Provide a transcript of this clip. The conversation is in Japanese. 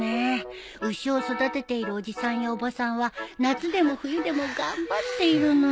牛を育てているおじさんやおばさんは夏でも冬でも頑張っているのに。